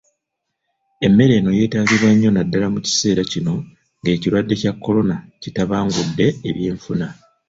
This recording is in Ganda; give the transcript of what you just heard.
Emmere eno yeetaagibwa nnyo naddala mu kiseera kino ng’ekirwadde kya Korona kitabangudde ebyenfuna .